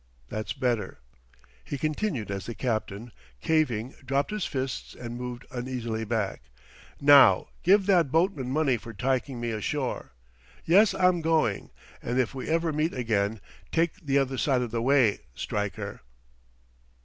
That's better," he continued as the captain, caving, dropped his fists and moved uneasily back. "Now give that boatman money for taking me ashore. Yes, I'm going and if we ever meet again, take the other side of the way, Stryker!"